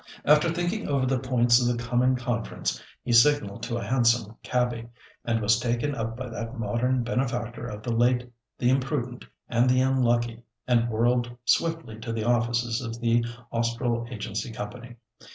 After thinking over the points of the coming conference, he signalled to a hansom cabby, and was taken up by that modern benefactor of the late, the imprudent, and the unlucky, and whirled swiftly to the offices of the Austral Agency Company.